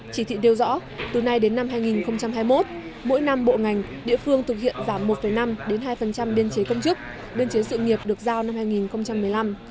chỉ thị nêu rõ từ nay đến năm hai nghìn hai mươi một mỗi năm bộ ngành địa phương thực hiện giảm một năm hai biên chế công chức biên chế sự nghiệp được giao năm hai nghìn một mươi năm